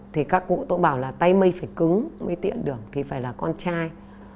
thì các cụ tôi bảo là tay mây phải cứng mới tiện được thì phải là con trai